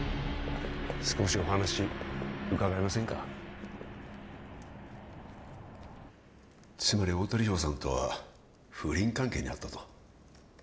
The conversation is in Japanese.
少しお話伺えませんかつまり太田梨歩さんとは不倫関係にあったと？